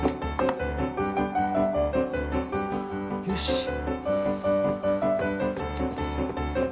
よし！